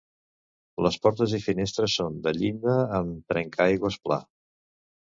Les portes i finestres són de llinda amb trencaaigües pla.